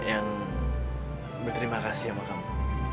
yang berterima kasih sama kamu